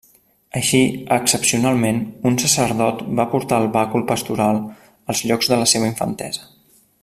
Així, excepcionalment, un sacerdot va portar el bàcul pastoral als llocs de la seva infantesa.